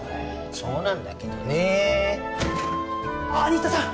そうなんだけどねーああ新田さん